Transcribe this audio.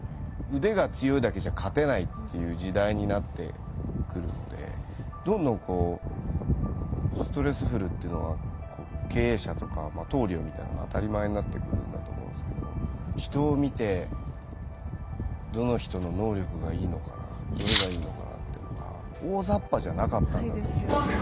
腕が強いだけじゃ勝てないっていう時代になってくるのでどんどんこうストレスフルっていうのは経営者とか棟梁みたいのは当たり前になってくるんだと思うんですけど人を見てどの人の能力がいいのかなどれがいいのかなっていうのが大ざっぱじゃなかったんだと思うんですよね。